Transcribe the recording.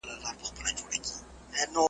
¬ مېله ماته، غول ئې پاته.